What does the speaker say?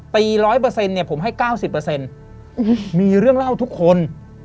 ปีร้อยเปอร์เซ็นต์เนี้ยผมให้เก้าสิบเปอร์เซ็นต์มีเรื่องเล่าทุกคน